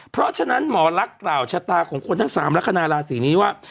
เพราะฉะนั้นหมอลักษณ์กล่าวชะตาของคนทั้ง๓ลักษณะราศีนี้ว่า